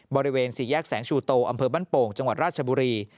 บริเวณสี่แยกแสงชูโตอำเภอบ้านโป่งจังหวัดราชบุรี